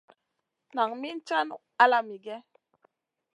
Nan min caŋu ala migè?